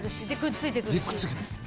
くっついてきます